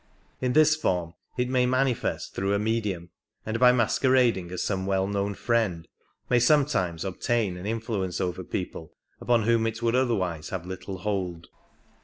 In this form it may manifest through a medium, and by masquerading as some well known friend may sometimes obtain an influ ence over people upon whom it would otherwise have little hold.